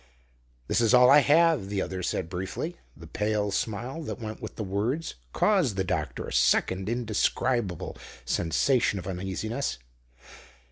"This is all I have," the other said briefly. The pale smile that went with the words caused the doctor a second indescribable sensation of uneasiness.